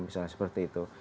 misalnya seperti itu